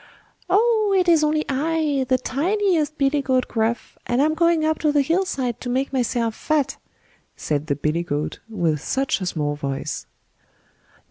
"Oh! it is only I, the tiniest billy goat Gruff; and I'm going up to the hill side to make myself fat", said the billy goat, with such a small voice.